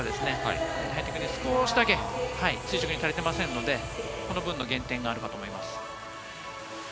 少し垂直に足りてませんので、この分の減点があるかと思います。